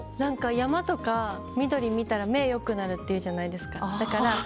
山とか緑を見たら、目が良くなるっていうじゃないですか。